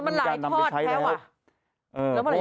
เป็นการนำไปใช้แล้ว